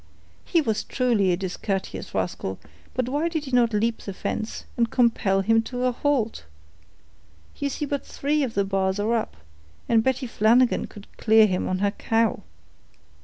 "He was truly a discourteous rascal; but why did you not leap the fence, and compel him to a halt? You see but three of the bars are up, and Betty Flanagan could clear them on her cow."